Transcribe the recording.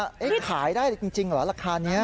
เฮ้ยขายได้จริงหรอราคานี้